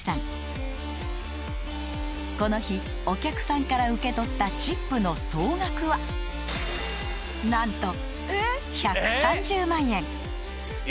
［この日お客さんから受け取ったチップの総額は何と］